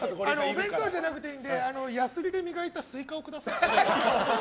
お弁当じゃなくていいのでやすりで磨いたスイカをください。